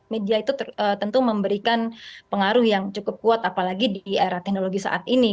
media itu tentu memberikan pengaruh yang cukup kuat apalagi di era teknologi saat ini